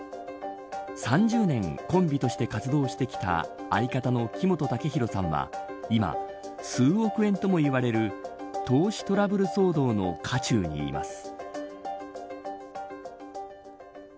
３０年コンビとして活動してきた相方の木本武宏さんは今数億円ともいわれる投資トラブル騒動の渦中にいます。